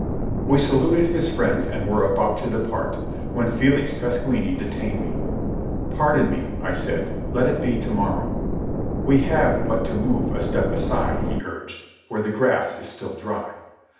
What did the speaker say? We saluted his friends and were about to depart, when Felix Pasquini detained me. "Pardon me," I said. "Let it be to morrow." "We have but to move a step aside," he urged, "where the grass is still dry."